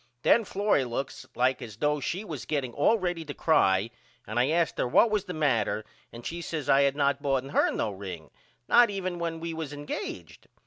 Then Florrie looks like as though she was getting all ready to cry and I asked her what was the matter and she says I had not boughten her no ring not even when we was engaged.